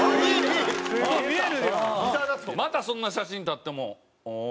またそんな写真撮ってもう「おおー」。